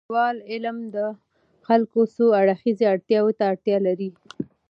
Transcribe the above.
زمونږ د انډول علم د خلګو څو اړخیزه اړتیاوو ته اړتیا لري.